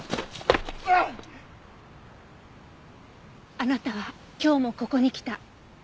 あなたは今日もここに来た。